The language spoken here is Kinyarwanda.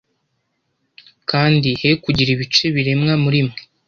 kandi he kugira ibice biremwa muri mwe